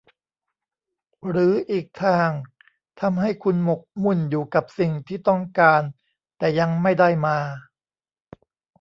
หรืออีกทางทำให้คุณหมกมุ่นอยู่กับสิ่งที่ต้องการแต่ยังไม่ได้มา